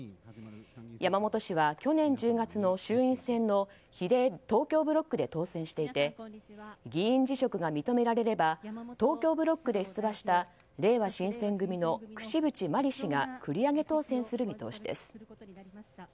山本氏は去年１０月の衆院選の比例東京ブロックで当選していて議員辞職が認められれば東京ブロックで出馬したれいわ新撰組の櫛渕万里氏が繰り上げ当選する見通しです。